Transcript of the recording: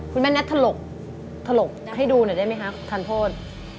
แม่แท็ตถลกถลกให้ดูหน่อยได้ไหมคะทานโทษ